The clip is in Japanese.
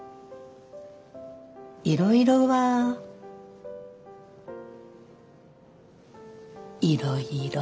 いろいろはいろいろ。